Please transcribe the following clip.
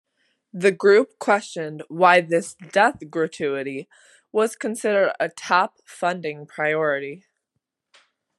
The group questioned why this "death gratuity" was considered a "top funding priority".